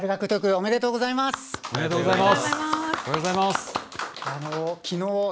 おめでとうございます。